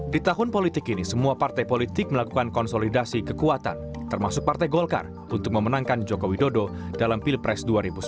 di tahun politik ini semua partai politik melakukan konsolidasi kekuatan termasuk partai golkar untuk memenangkan joko widodo dalam pilpres dua ribu sembilan belas